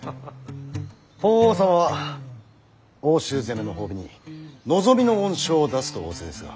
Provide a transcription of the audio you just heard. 法皇様は奥州攻めの褒美に望みの恩賞を出すと仰せですが。